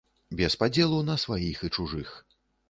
Без падзелу на сваіх і чужых.